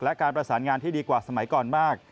และการประสานงานที่ดีกว่าสมัยก่อนมาก